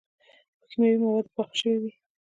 پۀ کيماوي موادو پاخۀ شوي وي